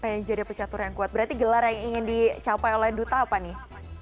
pengen jadi pecatur yang kuat berarti gelar yang ingin dicapai oleh duta apa nih